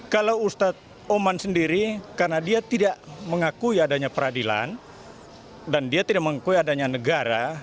kalau ustadz oman sendiri karena dia tidak mengakui adanya peradilan dan dia tidak mengakui adanya negara